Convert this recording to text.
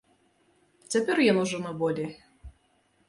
Цяпер ён ужо на волі.